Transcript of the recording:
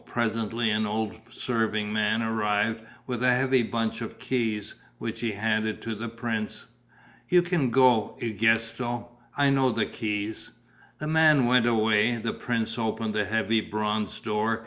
Presently an old serving man arrived with a heavy bunch of keys, which he handed to the prince. "You can go, Egisto. I know the keys." The man went away. The prince opened a heavy bronze door.